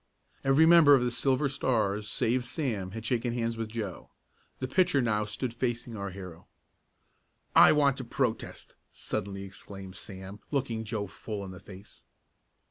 Every member of the Silver Stars save Sam had shaken hands with Joe. The pitcher now stood facing our hero. "I want to protest!" suddenly exclaimed Sam, looking Joe full in the face.